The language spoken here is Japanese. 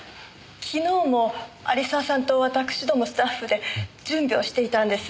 昨日も有沢さんと私どもスタッフで準備をしていたんです。